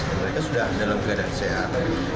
mereka sudah dalam keadaan sehat